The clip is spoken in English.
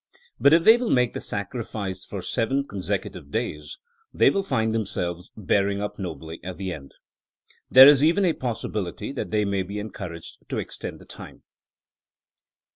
But if they will make the sacrifice for seven consecutive days they will find themselves bearing up nobly at the end. There is even a possibility that they may be encouraged to extend the time.